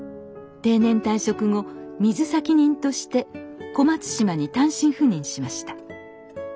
定年退職後水先人として小松島に単身赴任しました。